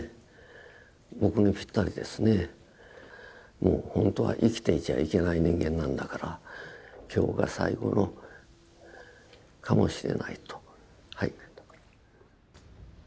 もうほんとは生きていちゃいけない人間なんだから今日が最後のかもしれないと。